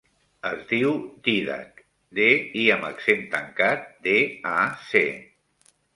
Es diu Dídac: de, i amb accent tancat, de, a, ce.